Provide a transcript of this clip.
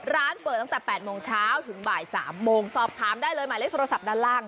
ร้านเปิดตั้งแต่๘โมงเช้าถึงบ่าย๓โมงสอบถามได้เลยหมายเลขโทรศัพท์ด้านล่าง